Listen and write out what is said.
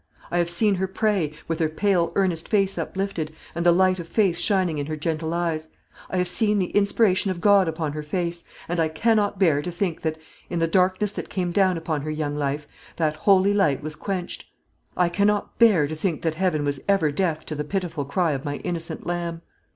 I have seen her pray, with her pale earnest face uplifted, and the light of faith shining in her gentle eyes; I have seen the inspiration of God upon her face; and I cannot bear to think that, in the darkness that came down upon her young life, that holy light was quenched; I cannot bear to think that Heaven was ever deaf to the pitiful cry of my innocent lamb."